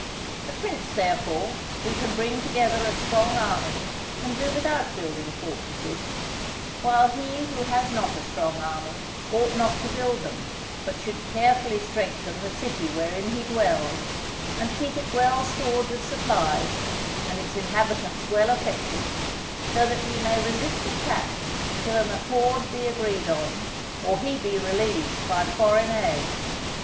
The prince, therefore, who can bring together a strong army can do without building fortresses, while he who has not a strong army ought not to build them, but should carefully strengthen the city wherein he dwells, and keep it well stored with supplies, and its inhabitants well affected, so that he may resist attack till an accord be agreed on, or he be relieved by foreign aid.